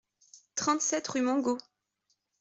trente-sept rue Mongauld